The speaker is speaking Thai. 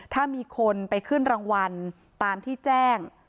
ถ้ามีคนไปขึ้นรางวัลตามที่แจ้ง